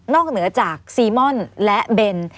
นอกเหนือจากซีมร์ณและเบน